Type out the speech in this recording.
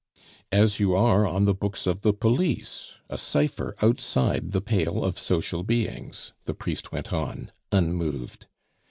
"As you are on the books of the police, a cipher outside the pale of social beings," the priest went on, unmoved.